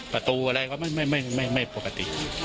ประตูอะไรก็ไม่ปกติ